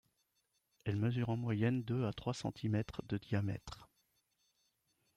Elle mesure en moyenne deux à trois centimètres de diamètre.